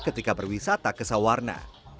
ketika berwisata ke sawarna